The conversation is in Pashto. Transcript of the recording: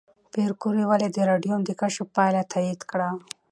پېیر کوري ولې د راډیوم د کشف پایله تایید کړه؟